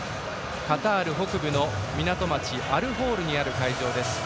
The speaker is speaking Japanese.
カタール北部の港町アルホールにある会場です。